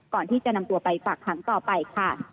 ก่อนที่จะนำตัวไปฝากขังต่อไปค่ะ